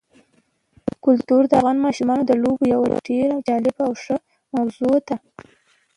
کلتور د افغان ماشومانو د لوبو یوه ډېره جالبه او ښه موضوع ده.